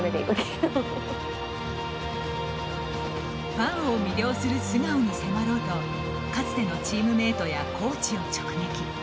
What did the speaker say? ファンを魅了する素顔に迫ろうとかつてのチームメートやコーチを直撃。